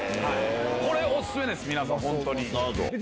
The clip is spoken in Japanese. これオススメです皆さん。